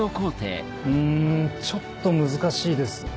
うんちょっと難しいです。